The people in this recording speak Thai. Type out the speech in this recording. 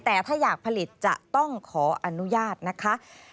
แต่ถ้าอยากผลิตจะต้องขออนุญาตนะคะ